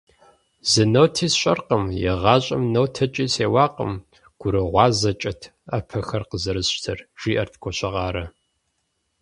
- Зы ноти сщӀэркъым, игъащӀэм нотэкӀи сеуакъым, гурыгъуазэкӀэт Ӏэпэхэр къызэрысщтэр, - жиӏэрт Гуащэкъарэ.